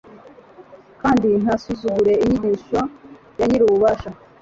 kandi ntasuzugure inyigisho ya nyir'ububasha